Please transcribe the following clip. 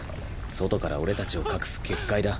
外から俺たちを隠す結界だ。